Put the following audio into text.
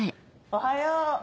おはよう！